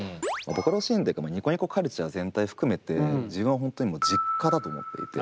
ボカロシーンというかニコニコカルチャー全体含めて自分は本当に実家だと思っていて。